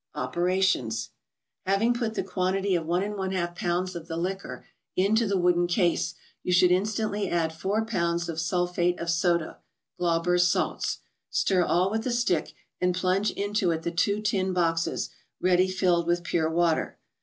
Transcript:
Operations: Having put the quantity of 1% pounds of the liquor into the wooden case, you should instantly add four pounds of sulphate of soda (Glauber's Salts). Stir all with a stick, and plunge into it the two tin boxes, >*',(>, H ICED BE VERA GES. 79 ready filled with pure water.